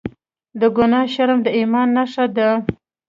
د ګناه شرم د ایمان نښه ده.